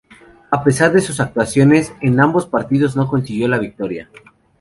A pesar de sus actuaciones, en ambos partidos no consiguió la victoria.